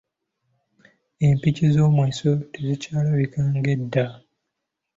Empiki z’omweso tezikyalabika ng’edda.